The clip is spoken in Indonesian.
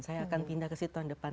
saya akan pindah ke situ tahun depan